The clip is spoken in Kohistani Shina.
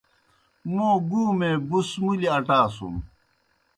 موں گُومے بُس مُلیْ آٹاسُن۔